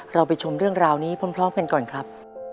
เราไปชมเรื่องราวนี้พร้อมกันก่อนครับ